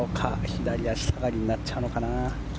左足下がりになっちゃうのかな。